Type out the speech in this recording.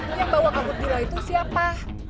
lu yang bawa kabut gila itu siapa